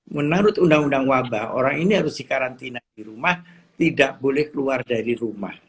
menurut undang undang wabah orang ini harus dikarantina di rumah tidak boleh keluar dari rumah